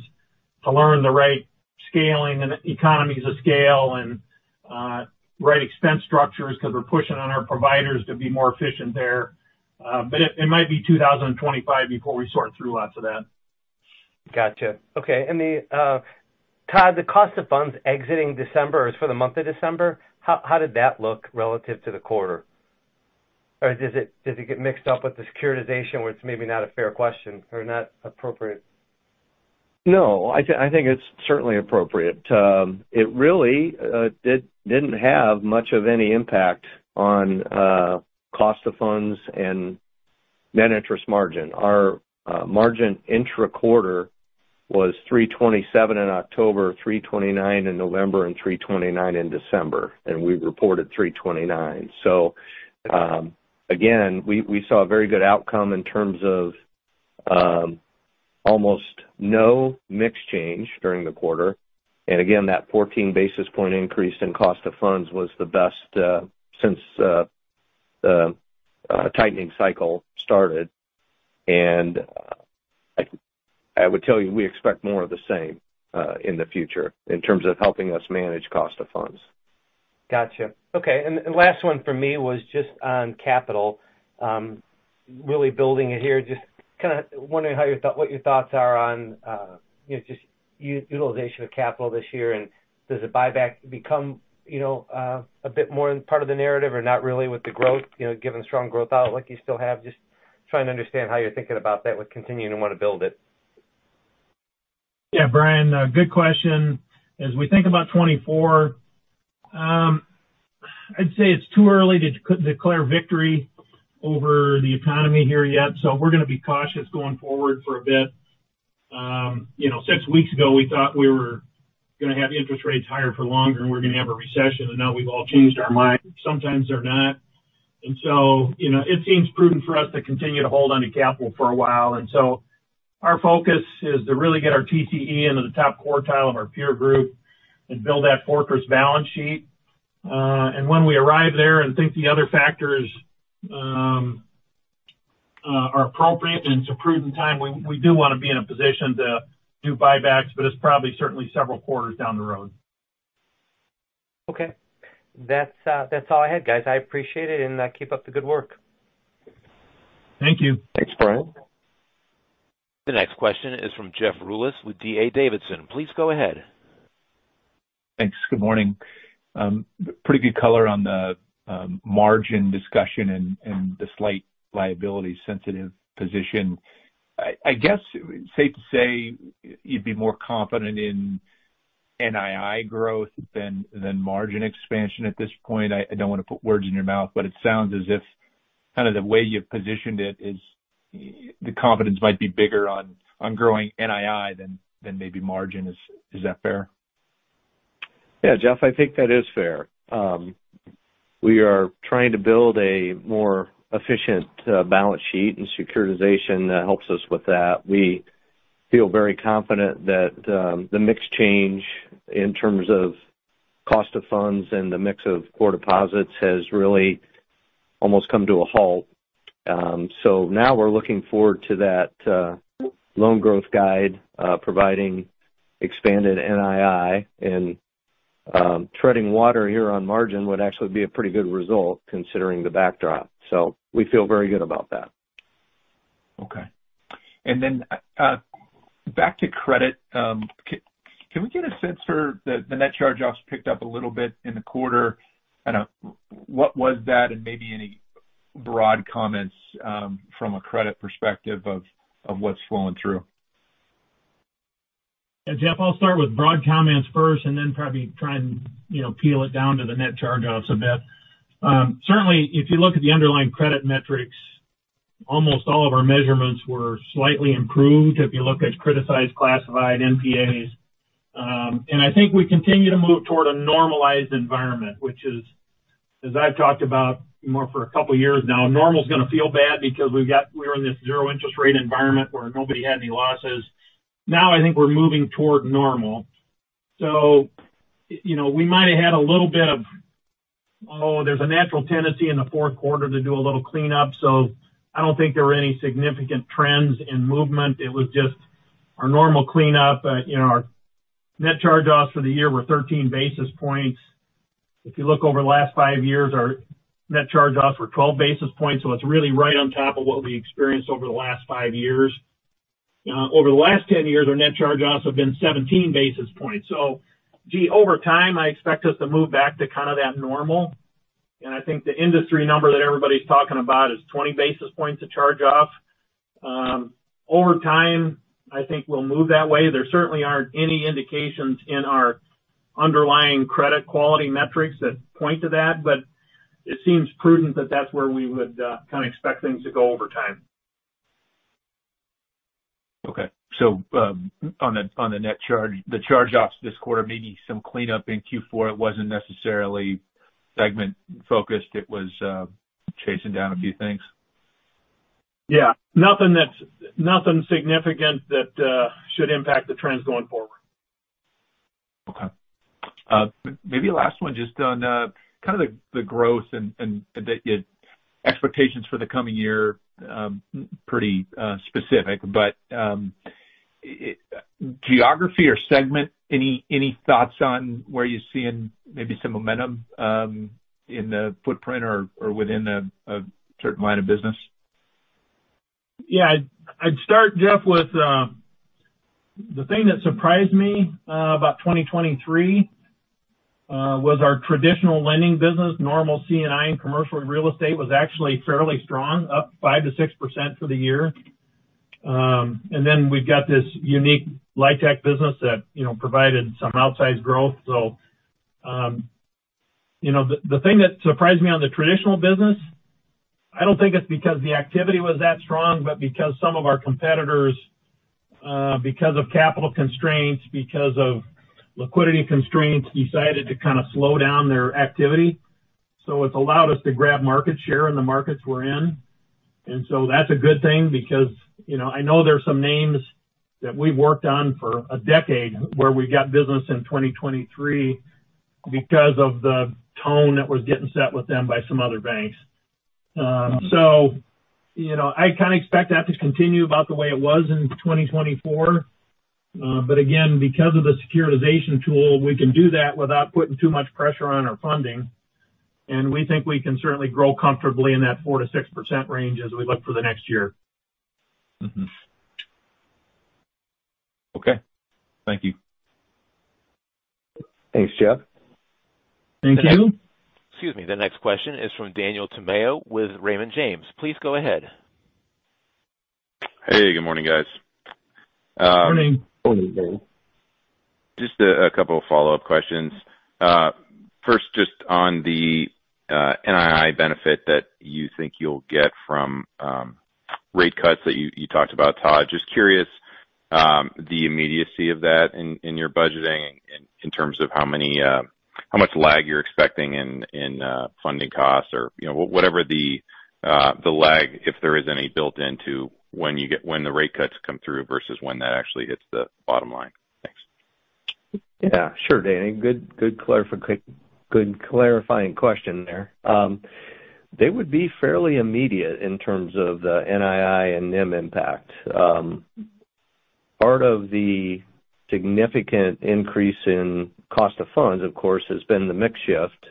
to learn the right scaling and economies of scale and right expense structures, because we're pushing on our providers to be more efficient there. But it might be 2025 before we sort through lots of that. Gotcha. Okay. And the, Todd, the cost of funds exiting December is for the month of December? How, how did that look relative to the quarter? Or does it, did it get mixed up with the securitization, where it's maybe not a fair question or not appropriate? No, I think it's certainly appropriate. It really didn't have much of any impact on cost of funds and net interest margin. Our margin intra-quarter was 3.27 in October, 3.29 in November and 3.29 in December, and we reported 3.29. So, again, we saw a very good outcome in terms of almost no mix change during the quarter. And again, that 14 basis point increase in cost of funds was the best since the tightening cycle started. And I would tell you, we expect more of the same in the future in terms of helping us manage cost of funds. Gotcha. Okay, and last one from me was just on capital. Really building it here, just kind of wondering what your thoughts are on, you know, just utilization of capital this year. And does the buyback become, you know, a bit more part of the narrative or not really with the growth, you know, given the strong growth outlook you still have? Just trying to understand how you're thinking about that with continuing to want to build it. Yeah, Brian, a good question. As we think about 2024, I'd say it's too early to declare victory over the economy here yet, so we're gonna be cautious going forward for a bit. You know, six weeks ago, we thought we were gonna have interest rates higher for longer, and we're gonna have a recession, and now we've all changed our mind. Sometimes they're not. And so, you know, it seems prudent for us to continue to hold onto capital for a while. And so our focus is to really get our TCE into the top quartile of our peer group and build that fortress balance sheet. And when we arrive there and think the other factors are appropriate, and it's a prudent time, we do wanna be in a position to do buybacks, but it's probably certainly several quarters down the road. Okay. That's all I had, guys. I appreciate it, and keep up the good work. Thank you. Thanks, Brian. The next question is from Jeff Rulis with D.A. Davidson. Please go ahead. Thanks. Good morning. Pretty good color on the margin discussion and the slight liability-sensitive position. I guess, safe to say you'd be more confident in NII growth than margin expansion at this point? I don't wanna put words in your mouth, but it sounds as if kind of the way you've positioned it is the confidence might be bigger on growing NII than maybe margin. Is that fair? Yeah, Jeff, I think that is fair. We are trying to build a more efficient balance sheet, and securitization helps us with that. We feel very confident that the mix change in terms of cost of funds and the mix of Core Deposits has really almost come to a halt. So now we're looking forward to that loan growth guide providing expanded NII, and treading water here on margin would actually be a pretty good result, considering the backdrop. So we feel very good about that. Okay. And then, back to credit, can we get a sense for the, the net charge-offs picked up a little bit in the quarter? I know, what was that, and maybe any broad comments, from a credit perspective of, of what's flowing through? Yeah, Jeff, I'll start with broad comments first and then probably try and, you know, peel it down to the net charge-offs a bit. Certainly, if you look at the underlying credit metrics, almost all of our measurements were slightly improved, if you look at criticized, classified NPAs. And I think we continue to move toward a normalized environment, which is, as I've talked about more for a couple years now, normal's gonna feel bad because we've got, we were in this zero interest rate environment, where nobody had any losses. Now, I think we're moving toward normal. So, you know, we might have had a little bit of... Oh, there's a natural tendency in the fourth quarter to do a little cleanup, so I don't think there were any significant trends in movement. It was just our normal cleanup. You know, our net charge-offs for the year were 13 basis points. If you look over the last five years, our net charge-offs were 12 basis points, so it's really right on top of what we experienced over the last five years. Over the last 10 years, our net charge-offs have been 17 basis points. So gee, over time, I expect us to move back to kind of that normal, and I think the industry number that everybody's talking about is 20 basis points of charge off. Over time, I think we'll move that way. There certainly aren't any indications in our underlying credit quality metrics that point to that, but it seems prudent that that's where we would kind of expect things to go over time. Okay. So, on the net charge, the charge-offs this quarter, maybe some cleanup in Q4. It wasn't necessarily segment-focused, it was chasing down a few things? Yeah. Nothing significant that should impact the trends going forward. Okay. Maybe last one, just on kind of the growth and the expectations for the coming year, pretty specific, but geography or segment, any thoughts on where you're seeing maybe some momentum in the footprint or within a certain line of business? Yeah. I'd start, Jeff, with the thing that surprised me about 2023 was our traditional lending business. Normal C&I commercial and real estate was actually fairly strong, up 5%-6% for the year. And then we've got this unique LIHTC business that, you know, provided some outsized growth. So, you know, the thing that surprised me on the traditional business, I don't think it's because the activity was that strong, but because some of our competitors, because of capital constraints, because of liquidity constraints, decided to kind of slow down their activity. So it's allowed us to grab market share in the markets we're in. And so that's a good thing because, you know, I know there are some names that we've worked on for a decade, where we got business in 2023 because of the tone that was getting set with them by some other banks. So, you know, I kind of expect that to continue about the way it was in 2024. But again, because of the securitization tool, we can do that without putting too much pressure on our funding, and we think we can certainly grow comfortably in that 4%-6% range as we look for the next year. Mm-hmm. Okay. Thank you. Thanks, Jeff. Thank you. Excuse me. The next question is from Daniel Tamayo, with Raymond James. Please go ahead. Hey, good morning, guys. Morning. Morning, Daniel. Just a couple of follow-up questions. First, just on the NII benefit that you think you'll get from rate cuts that you talked about, Todd. Just curious, the immediacy of that in your budgeting in terms of how much lag you're expecting in funding costs or, you know, whatever the lag, if there is any, built into when the rate cuts come through versus when that actually hits the bottom line. Thanks.... Yeah, sure, Danny. Good clarifying question there. They would be fairly immediate in terms of the NII and NIM impact. Part of the significant increase in cost of funds, of course, has been the mix shift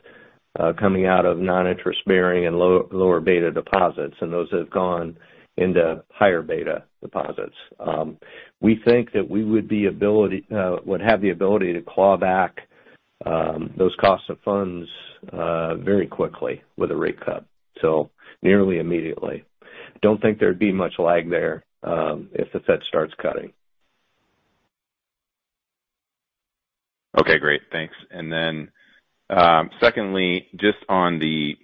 coming out of non-interest-bearing and lower beta deposits, and those have gone into higher beta deposits. We think that we would have the ability to claw back those costs of funds very quickly with a rate cut, so nearly immediately. Don't think there'd be much lag there, if the Fed starts cutting. Okay, great. Thanks. And then, secondly, just on the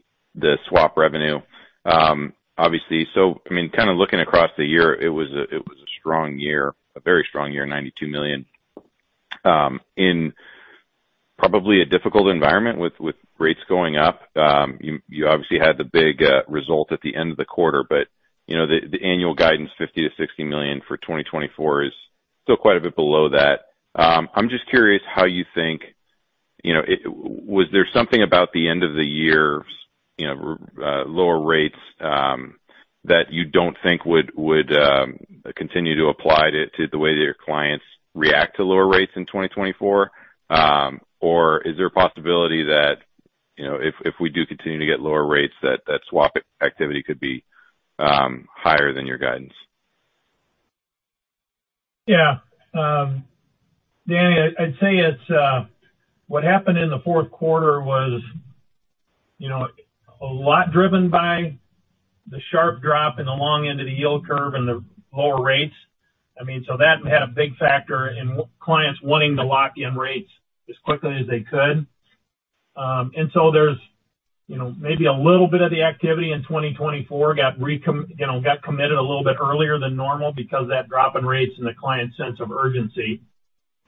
swap revenue, obviously. So, I mean, kind of looking across the year, it was a strong year, a very strong year, $92 million in probably a difficult environment with rates going up. You obviously had the big result at the end of the quarter, but, you know, the annual guidance, $50 million-$60 million for 2024, is still quite a bit below that. I'm just curious how you think, you know, was there something about the end of the year, you know, lower rates, that you don't think would continue to apply to the way that your clients react to lower rates in 2024? Or is there a possibility that, you know, if we do continue to get lower rates, that that swap activity could be higher than your guidance? Yeah. Danny, I'd, I'd say it's what happened in the fourth quarter was, you know, a lot driven by the sharp drop in the long end of the yield curve and the lower rates. I mean, so that had a big factor in clients wanting to lock in rates as quickly as they could. And so there's, you know, maybe a little bit of the activity in 2024 got, you know, got committed a little bit earlier than normal because of that drop in rates and the clients' sense of urgency.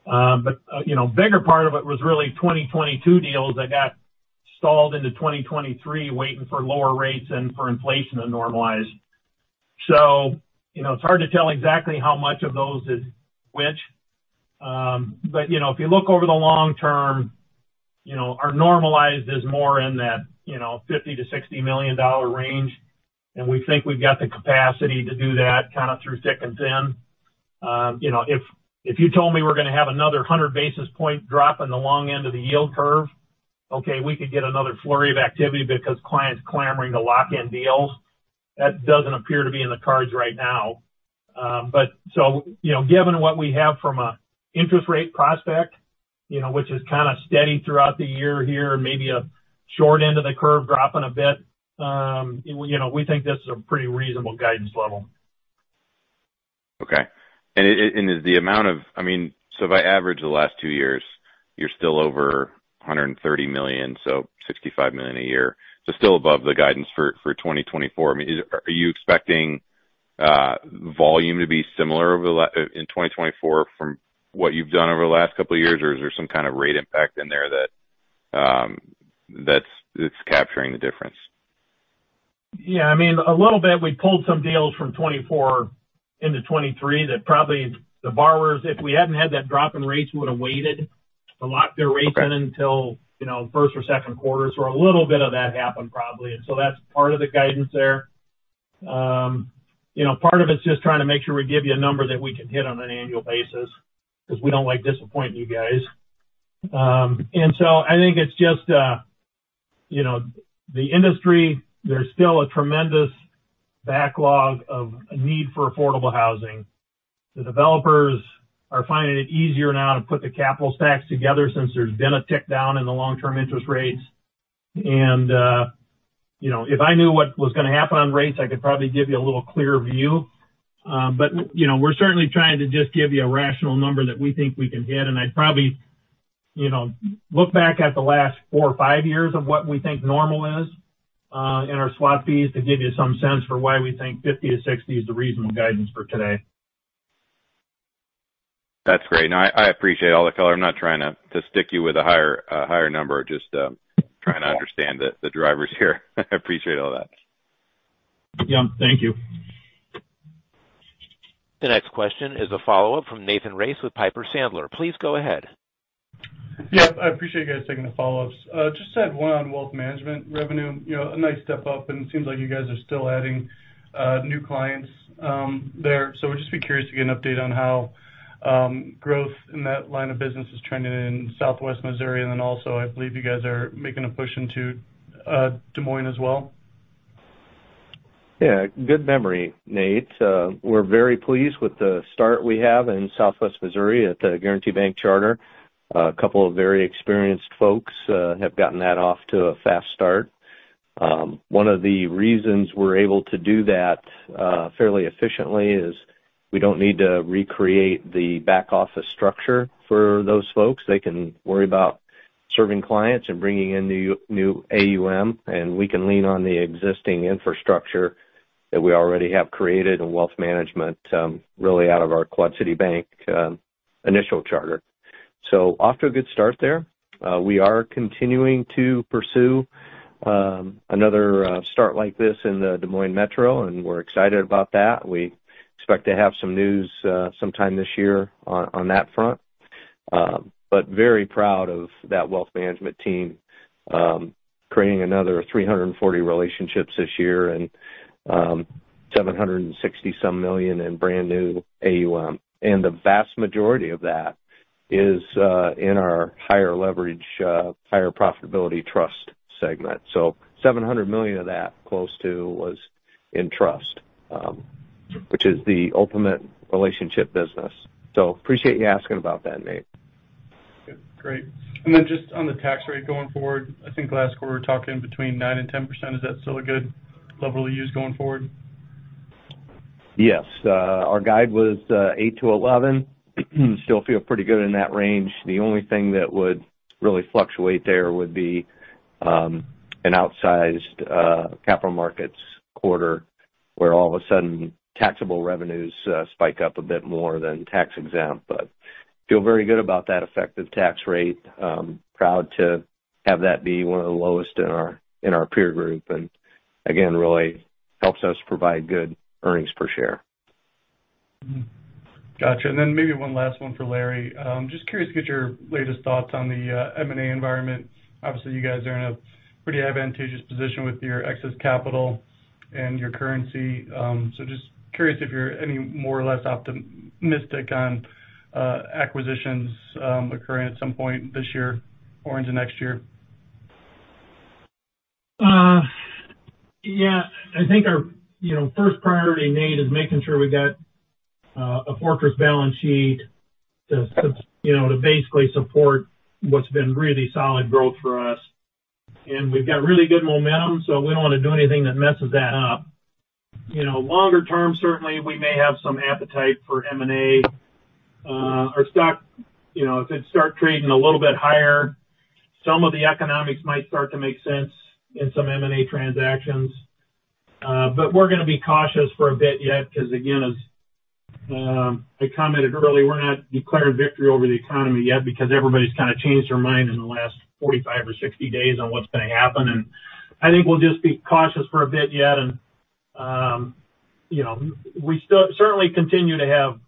But, you know, bigger part of it was really 2022 deals that got stalled into 2023, waiting for lower rates and for inflation to normalize. So, you know, it's hard to tell exactly how much of those is which. But, you know, if you look over the long term, you know, our normalized is more in that, you know, $50 million-$60 million range, and we think we've got the capacity to do that kind of through thick and thin. You know, if you told me we're gonna have another 100 basis point drop in the long end of the yield curve, okay, we could get another flurry of activity because clients clamoring to lock in deals. That doesn't appear to be in the cards right now. But so, you know, given what we have from a interest rate prospect, you know, which is kind of steady throughout the year here, maybe a short end of the curve dropping a bit, you know, we think this is a pretty reasonable guidance level. Okay. And is the amount of—I mean, so if I average the last two years, you're still over $130 million, so $65 million a year. So still above the guidance for 2024. I mean, is it—are you expecting volume to be similar over the last in 2024 from what you've done over the last couple of years, or is there some kind of rate impact in there that that's capturing the difference? Yeah, I mean, a little bit. We pulled some deals from 2024 into 2023, that probably the borrowers, if we hadn't had that drop in rates, would have waited to lock their rates in- Okay... until, you know, first or second quarters, or a little bit of that happened, probably, and so that's part of the guidance there. You know, part of it's just trying to make sure we give you a number that we can hit on an annual basis, because we don't like disappointing you guys. And so I think it's just, you know, the industry, there's still a tremendous backlog of a need for affordable housing. The developers are finding it easier now to put the capital stacks together since there's been a tick down in the long-term interest rates. And, you know, if I knew what was gonna happen on rates, I could probably give you a little clearer view. But, you know, we're certainly trying to just give you a rational number that we think we can hit. I'd probably, you know, look back at the last four or five years of what we think normal is in our swap fees, to give you some sense for why we think 50-60 is the reasonable guidance for today. That's great. No, I appreciate all the color. I'm not trying to stick you with a higher number. Just trying to understand the drivers here. I appreciate all that. Yeah. Thank you. The next question is a follow-up from Nathan Race with Piper Sandler. Please go ahead. Yep. I appreciate you guys taking the follow-ups. Just had one on wealth management revenue. You know, a nice step up, and it seems like you guys are still adding new clients there. So I'd just be curious to get an update on how growth in that line of business is trending in Southwest Missouri. And then also, I believe you guys are making a push into Des Moines as well. Yeah, good memory, Nate. We're very pleased with the start we have in Southwest Missouri at the Guaranty Bank charter. A couple of very experienced folks have gotten that off to a fast start. One of the reasons we're able to do that fairly efficiently is we don't need to recreate the back office structure for those folks. They can worry about serving clients and bringing in new, new AUM, and we can lean on the existing infrastructure that we already have created in wealth management, really out of our Quad City Bank initial charter. So off to a good start there. We are continuing to pursue another start like this in the Des Moines metro, and we're excited about that. We expect to have some news sometime this year on that front. Very proud of that wealth management team, creating another 340 relationships this year and $760-some million in brand new AUM. The vast majority of that is in our higher leverage, higher profitability trust segment. Close to $700 million of that was in trust, which is the ultimate relationship business. Appreciate you asking about that, Nate. Good. Great. And then just on the tax rate going forward, I think last quarter, we were talking between 9%-10%. Is that still a good level to use going forward? Yes. Our guide was 8%-11%. Still feel pretty good in that range. The only thing that would really fluctuate there would be an outsized capital markets quarter, where all of a sudden, taxable revenues spike up a bit more than tax-exempt. But feel very good about that effective tax rate. Proud to have that be one of the lowest in our peer group, and again, really helps us provide good earnings per share. Mm-hmm. Gotcha. And then maybe one last one for Larry. Just curious to get your latest thoughts on the M&A environment. Obviously, you guys are in a pretty advantageous position with your excess capital and your currency. So just curious if you're any more or less optimistic on acquisitions occurring at some point this year or into next year. Yeah, I think our, you know, first priority, Nate, is making sure we got, a fortress balance sheet you know, to basically support what's been really solid growth for us. And we've got really good momentum, so we don't wanna do anything that messes that up. You know, longer term, certainly, we may have some appetite for M&A. Our stock, you know, if it start trading a little bit higher, some of the economics might start to make sense in some M&A transactions. But we're gonna be cautious for a bit yet, 'cause, again, as I commented early, we're not declaring victory over the economy yet because everybody's kind of changed their mind in the last 45 or 60 days on what's gonna happen, and I think we'll just be cautious for a bit yet. You know, we still certainly continue to have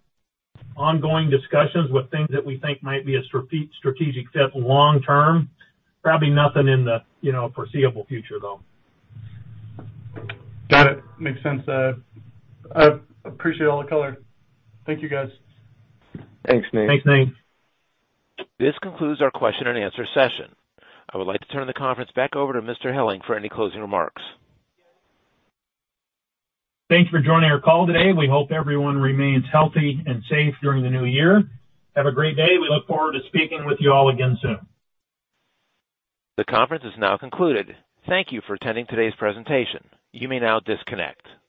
ongoing discussions with things that we think might be a strategic fit long term. Probably nothing in the, you know, foreseeable future, though. Got it. Makes sense. I appreciate all the color. Thank you, guys. Thanks, Nate. Thanks, Nate. This concludes our question and answer session. I would like to turn the conference back over to Mr. Helling for any closing remarks. Thanks for joining our call today. We hope everyone remains healthy and safe during the new year. Have a great day. We look forward to speaking with you all again soon. The conference is now concluded. Thank you for attending today's presentation. You may now disconnect.